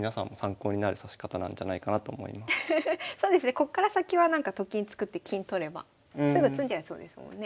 こっから先はと金作って金取ればすぐ詰んじゃいそうですもんね。